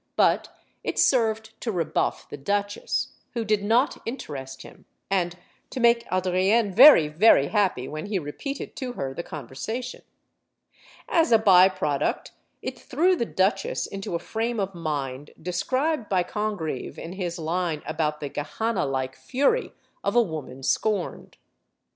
But it served to rebuff the duchesse, who did not interest him, and to make Adrienne very, very happy when he repeated to her the conversation. As a by product, it threw the duchesse into a frame of mind described by Congreve in his line about the Gehennalike fury of a woman scorned.